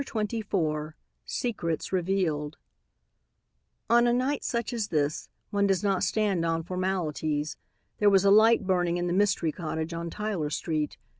CHAPTER XXIV SECRETS REVEALED On a night such as this, one does not stand on formalities. There was a light burning in the mystery cottage on Tyler street.